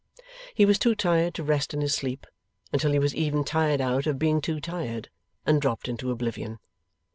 He was too tired to rest in his sleep, until he was even tired out of being too tired, and dropped into oblivion.